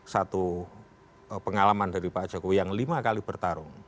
satu pengalaman dari pak jokowi yang lima kali bertarung